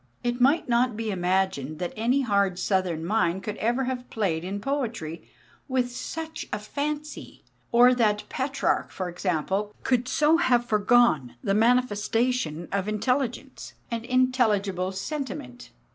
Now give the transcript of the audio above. It is not to be imagined that any hard Southern mind could ever have played in poetry with such a fancy; or that Petrarch, for example, could so have foregone the manifestation of intelligence and intelligible sentiment.